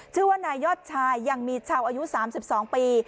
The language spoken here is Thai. ชื่อว่านายยอดชายยังมีเช่าอายุสามสิบสองปี